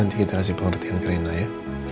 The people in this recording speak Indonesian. nanti kita kasih pengertian ke rina ya